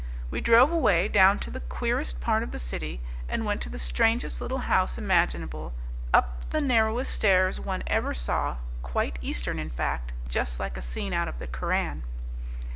We drove away down to the queerest part of the City, and went to the strangest little house imaginable, up the narrowest stairs one ever saw quite Eastern, in fact, just like a scene out of the Koran."